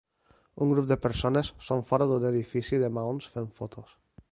Un grup de persones són fora d'un edifici de maons fent fotos.